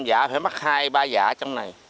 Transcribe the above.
một trăm linh giả phải mắc hai ba giả trong này